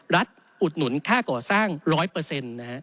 อุดหนุนค่าก่อสร้าง๑๐๐นะฮะ